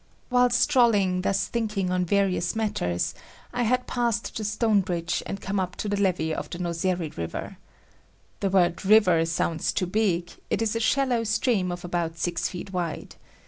While strolling thus thinking on various matters, I had passed the stone bridge and come up to the levy of the Nozeri river. The word river sounds too big; it is a shallow stream of about six feet wide.